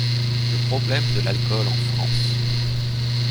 Le problème de l'alcool en France.